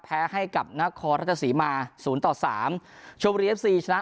แพ้ให้กับนครราชสีมาศูนย์ต่อสามชมบุรีเอฟซีชนะ